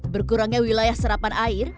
berkurangnya wilayah serapan air